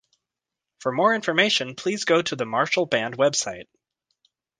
For more information, please go to the Marshall Band website.